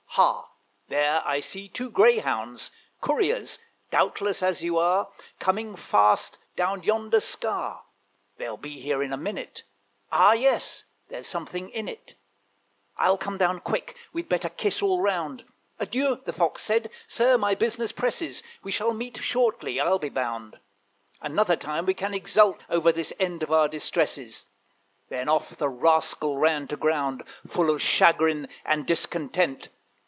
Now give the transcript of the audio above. Ha! there I see Two greyhounds couriers, doubtless, as you are Coming fast down yonder scaur: They'll be here in a minute, Ah! yes, there's something in it I'll come down quick: we'd better kiss all round." "Adieu," the Fox said; "Sir, my business presses; We shall meet shortly, I'll be bound: Another time we can exult Over this end of our distresses." Then off the rascal ran to ground, Full of chagrin and discontent.